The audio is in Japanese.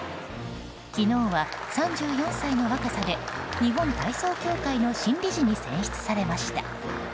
昨日は３４歳の若さで日本体操協会の新理事に選出されました。